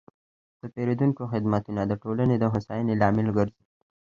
د پیرودونکو خدمتونه د ټولنې د هوساینې لامل ګرځي.